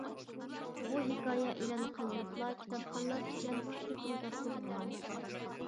بۇ ھېكايە ئېلان قىلىنىپلا كىتابخانلار ئىچىدە كۈچلۈك ئىنكاس قوزغىغان.